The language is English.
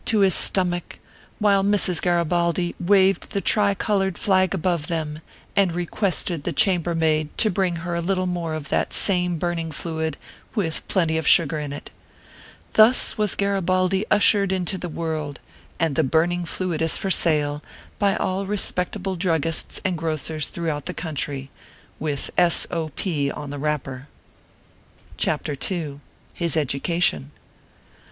to his stomach, while Mrs. Garibaldi waved the tri colored flag above them both, and requested the cham bermaid to bring her a little more of that same burn ing fluid, with plenty of sugar in it. Thus was Garibaldi ushered into the world ; and the burning fluid is for sale by all respectable drug gists and grocers throughout the country, with S. 0. P. on the wrapper. CHAPTER II. HIS EDUCATION.